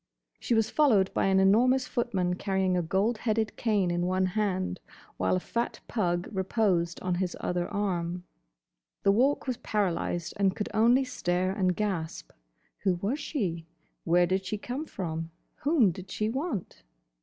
She was followed by an enormous footman carrying a gold headed cane in one hand, while a fat pug reposed on his other arm. The Walk was paralysed and could only stare and gasp. Who was she? Where did she come from? Whom did she want?